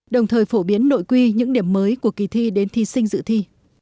đồng thời phổ biến nội quy những điểm mới của kỳ thi đến thí sinh dự thi